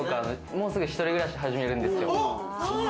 もうすぐ、一人暮らしを始めるんですよ。